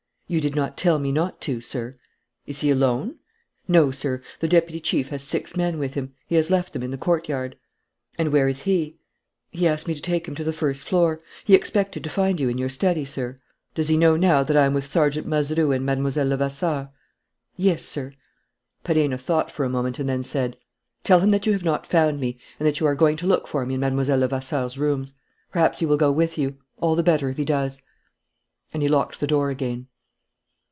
"You did not tell me not to, sir." "Is he alone?" "No, sir, the deputy chief has six men with him. He has left them in the courtyard." "And where is he?" "He asked me to take him to the first floor. He expected to find you in your study, sir." "Does he know now that I am with Sergeant Mazeroux and Mlle. Levasseur?" "Yes, sir." Perenna thought for a moment and then said: "Tell him that you have not found me and that you are going to look for me in Mlle. Levasseur's rooms. Perhaps he will go with you. All the better if he does." And he locked the door again.